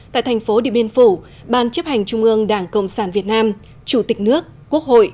tại thành phố điện biên phủ ban chấp hành trung ương đảng cộng sản việt nam chủ tịch nước quốc hội